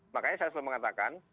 makanya saya selalu mengatakan